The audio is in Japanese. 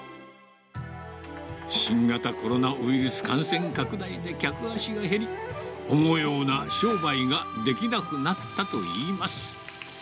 新型コロナウイルス感染拡大で客足が減り、思うような商売ができなくなったといいます。